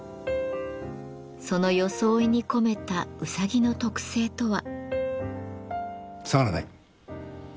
その装いに込めたうさぎの特性とは。